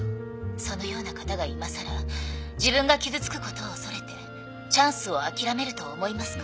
そのような方がいまさら自分が傷つくことを恐れてチャンスを諦めると思いますか？